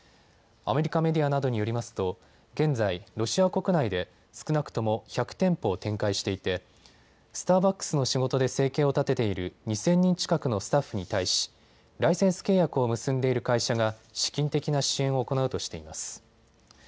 アメリカメディアなどによりますと現在、ロシア国内で少なくとも１００店舗を展開していてスターバックスの仕事で生計を立てている２０００人近くのスタッフに対しライセンス契約を結んでいる会社が資金的な支援を行うとしています。